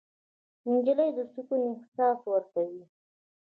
نجلۍ د سکون احساس ورکوي.